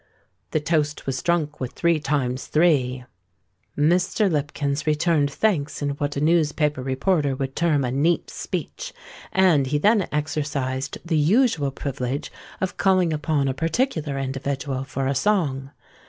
The toast was drunk with "three times three." Mr. Lipkins returned thanks in what a newspaper reporter would term "a neat speech;" and he then exercised the usual privilege of calling upon a particular individual for a song.